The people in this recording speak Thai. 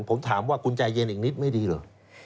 ผมถามว่าคุณใจเย็นอีกนิดไม่ดีเหรอ